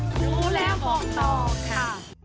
รู้แล้วหลับปากรู้แล้วบอกต่อค่ะ